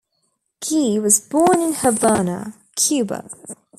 Gee was born in Havana, Cuba.